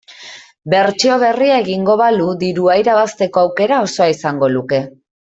Bertsio berria egingo balu dirua irabazteko aukera osoa izango luke.